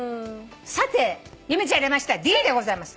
さて由美ちゃん選びましたＤでございます。